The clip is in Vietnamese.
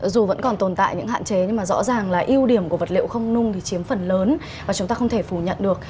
dù vẫn còn tồn tại những hạn chế nhưng mà rõ ràng là ưu điểm của vật liệu không nung thì chiếm phần lớn và chúng ta không thể phủ nhận được